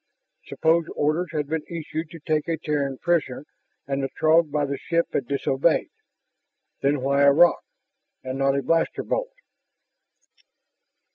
Suppose orders had been issued to take a Terran prisoner and the Throg by the ship had disobeyed? Then, why a rock and not a blaster bolt?